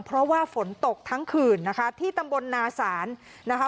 เพราะว่าฝนตกทั้งคืนนะคะที่ตำบลนาศาลนะคะ